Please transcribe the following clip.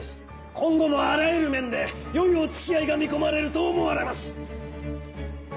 今後もあらゆる面で良いお付き合いが見込まれると思われます！